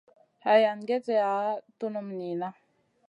Hayam gezeya tunum niyna.